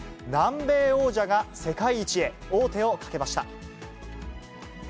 南米王者が世界一へ王手をかけました。